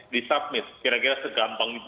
di submit kira kira segampang itu